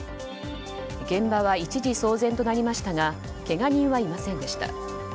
現場は一時騒然となりましたがけが人はいませんでした。